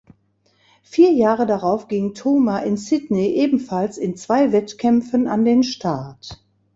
Vier Jahre darauf ging Toma in Sydney ebenfalls in zwei Wettkämpfen an den Start.